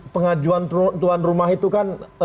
pengajuan tuan rumah itu kan